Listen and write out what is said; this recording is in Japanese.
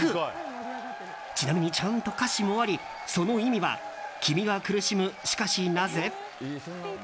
ちなみに、ちゃんと歌詞もありその意味は「君は苦しむしかしなぜ？」。